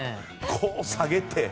こう、下げて。